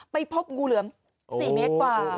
ไปพบงูเหลือม๔เมตรกว่า